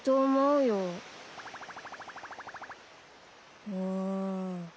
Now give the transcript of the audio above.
うん。